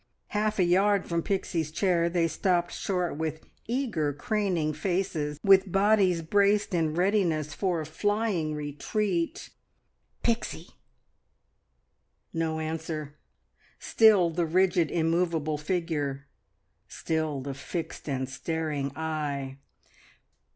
Half a yard from Pixie's chair they stopped short with eager, craning faces, with bodies braced in readiness for a flying retreat. "Pixie!" No answer. Still the rigid, immovable figure. Still the fixed and staring eye.